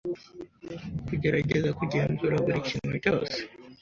kugerageza kugenzura buri kintu cyose